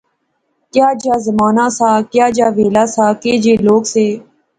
کیا جا زمانہ سا، کیا جا ویلا سا، کے جے لوک سے